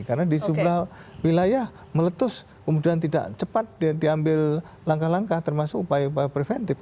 karena di sebelah wilayah meletus kemudian tidak cepat diambil langkah langkah termasuk upaya preventif